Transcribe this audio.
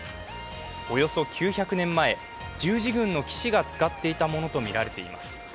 およそ９００年前、十字軍の騎士が使っていたものとみられます。